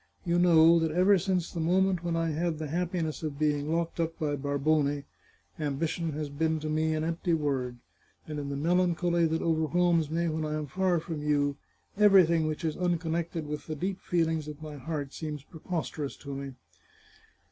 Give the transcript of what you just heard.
You know that ever since the moment when I had the happi ness of being locked up by Barbone, ambition has been to me an empty word, and in the melancholy that overwhelms me when I am far from you, everything which is unconnected with the deep feelings of my heart seems preposterous to me."